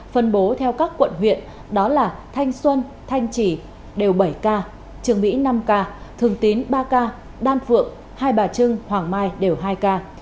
phân bố theo các quận huyện đó là thanh xuân thanh trì đều bảy k trường mỹ năm k thường tín ba k đan phượng hai bà trưng hoàng mai đều hai ca